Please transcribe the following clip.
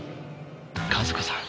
和子さん。